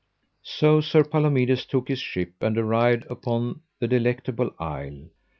So Sir Palomides took his ship, and arrived up at the Delectable Isle.